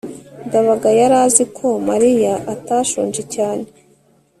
ndabaga yari azi ko mariya atashonje cyane